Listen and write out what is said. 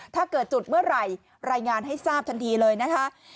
ถ้าเกิดจุดเมื่อไหร่รายงานให้ทราบทันทีเลยนะคะ